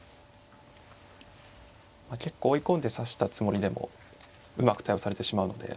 結構追い込んで指したつもりでもうまく対応されてしまうので。